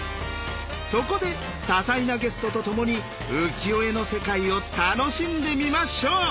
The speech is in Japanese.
そこで多彩なゲストとともに浮世絵の世界を楽しんでみましょう！